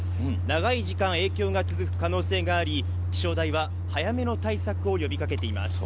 長い時間影響が続く可能性があり気象台は早めの対策を呼びかけています。